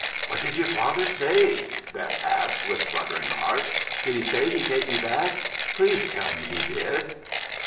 "What did your father say?" Beth asked, with fluttering heart. "Did he say he'd take me back? Please tell me he did!"